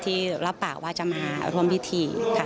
ที่รับปากว่าจะมาร่วมพิธีค่ะ